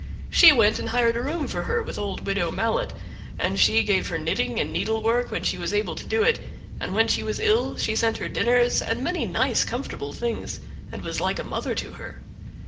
She went and hired a room for her with old Widow Mallet, and she gave her knitting and needlework when she was able to do it; and when she was ill she sent her dinners and many nice, comfortable things, and was like a mother to her.